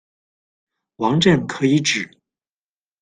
王镇可以指：